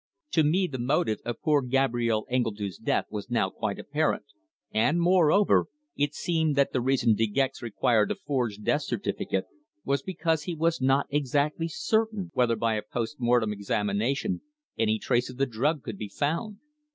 To me the motive of poor Gabrielle Engledue's death was now quite apparent, and, moreover, it seemed that the reason De Gex required a forged death certificate was because he was not exactly certain whether by a post mortem examination any trace of the drug could be found.